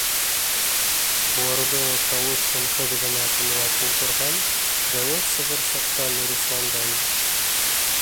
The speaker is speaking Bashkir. Быларҙы тауыш-тынһыҙ ғына тыңлап ултырған Рәүеф сығыр саҡта Нурисламдан: